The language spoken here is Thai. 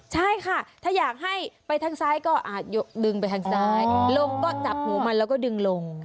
ใช่ค่ะถ้าอยากให้ไปทางซ้ายก็อาจดึงไปทางซ้ายลงก็จับหูมันแล้วก็ดึงลง